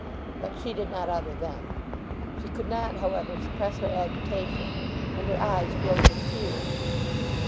—but she did not utter them. She could not, however, suppress her agitation, and her eyes filled with tears.